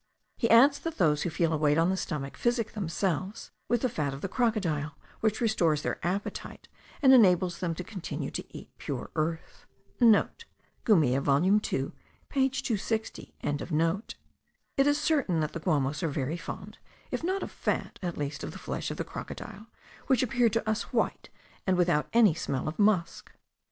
He adds that those who feel a weight on the stomach physic themselves with the fat of the crocodile which restores their appetite and enables them to continue to eat pure earth.* (* Gumilla volume 2 page 260.) It is certain that the Guamos are very fond, if not of the fat, at least of the flesh of the crocodile, which appeared to us white, and without any smell of musk.